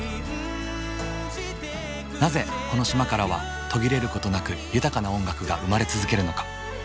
なぜこの島からは途切れることなく豊かな音楽が生まれ続けるのか。